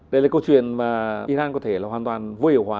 đây là câu chuyện mà iran có thể là hoàn toàn vô hiệu hóa